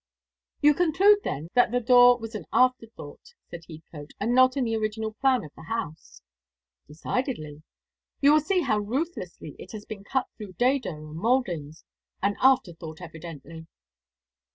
"You conclude, then, that the door was an after thought," said Heathcote, "and not in the original plan of the house." "Decidedly. You will see how ruthlessly it has been cut through dado and mouldings. An after thought evidently."